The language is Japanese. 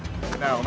お前